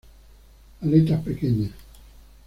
Aletas pequeñas.